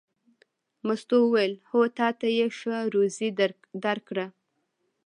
مستو وویل: هو تا ته یې ښه روزي درکړه.